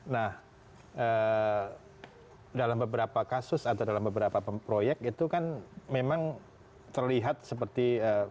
nah dalam beberapa kasus atau dalam beberapa proyek itu kan memang terlihat seperti